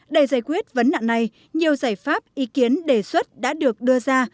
để giải quyết vấn nạn này nhiều giải pháp ý kiến đề xuất đã được đưa ra